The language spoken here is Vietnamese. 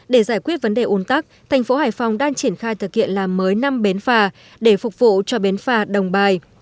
để giải quyết vấn đề ồn tắc thành phố hải phòng đang triển khai thực hiện làm mới năm bến phà để phục vụ cho bến phà đồng bài